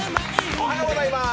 おはようございます。